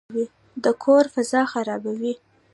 د کور فضا خرابوي.